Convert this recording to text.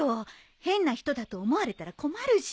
変な人だと思われたら困るし。